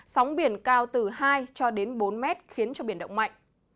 sóng biển cao từ hai cho đến bốn mét khiến cho biển động mạnh